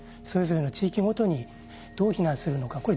それぞれの地域ごとにどう避難するのか。